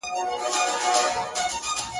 غواړهقاسم یاره جام و یار په ما ښامونو کي,